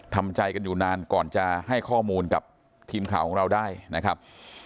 ทำใจกันอยู่นานก่อนจะให้ข้อมูลกับทีมข่าวของเราได้นะครับ